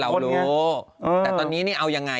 เรารู้แต่ตอนนี้นี่เอายังไง